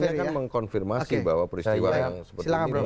artinya kan mengkonfirmasi bahwa peristiwa yang seperti ini